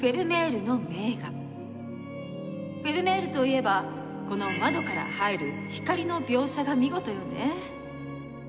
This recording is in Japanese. フェルメールといえばこの「窓から入る光の描写」が見事よね。